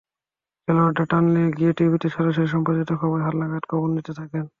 খেলোয়াড়ের টানেলে গিয়ে টিভিতে সরাসরি সম্প্রচারিত খবরে হালনাগাদ খবর নিতে থাকেন।